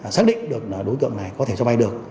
xác định được đối tượng này có thể cho vay được